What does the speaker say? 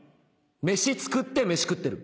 飯作って飯食ってる。